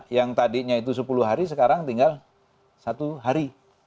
yang tadinya itu sepuluh hari sekarang tinggal satu hari